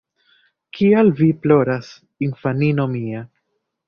Kial vi ploras, infanino mia?